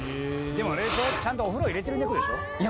ちゃんとお風呂入れてる猫でしょ？